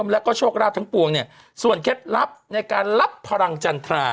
แล้วก็โชคราบทั้งปวงเนี่ยส่วนเคล็ดลับในการรับพลังจันทรา